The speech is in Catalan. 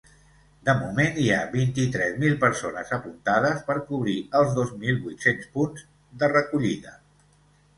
De moment hi ha vint-i-tres mil persones apuntades per cobrir els dos mil vuit-cents punts de recollida.